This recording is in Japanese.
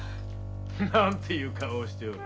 何ていう顔をしておる。